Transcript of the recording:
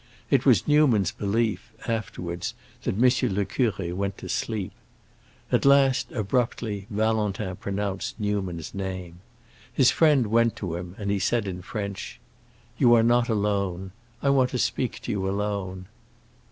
It was Newman's belief, afterwards, that M. le Curé went to sleep. At last abruptly, Valentin pronounced Newman's name. His friend went to him, and he said in French, "You are not alone. I want to speak to you alone."